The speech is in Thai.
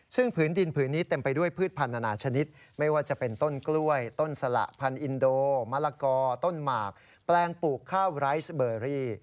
ซึ่งผืนดินผืนนี้เต็มไปด้วยพืชพันธนานาชนิดไม่ว่าจะเป็นต้นกล้วยต้นสละพันอินโดมะละกอต้นหมากแปลงปลูกข้าวไร้สเบอรี่